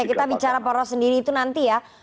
kita bicara poros sendiri itu nanti ya